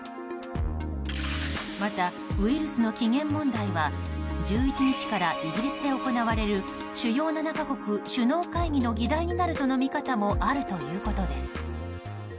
また、ウイルスの起源問題は１１日からイギリスで行われる主要７か国首脳会議の議題になるという見方もあるということです。